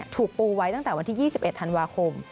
ถูกปูไว้ตั้งแต่วันที่๒๑ธันวาคม